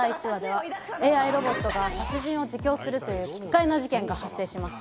明日の放送の第１話ではＡＩロボットが殺人を自供するという奇怪な事件が発生しております。